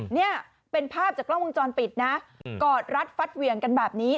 เนี่ยเป็นภาพจากกล้องวงจรปิดนะกอดรัดฟัดเหวี่ยงกันแบบนี้